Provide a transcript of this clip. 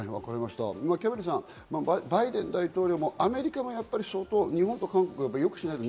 キャンベルさん、バイデン大統領もアメリカも相当、日本と韓国、良くしないと。